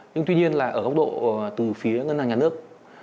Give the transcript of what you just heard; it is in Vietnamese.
nhưng tuy nhiên là ở góc độ từ phía ngân hàng nhà nước